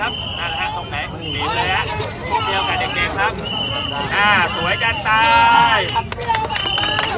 มันเป็นเรื่อง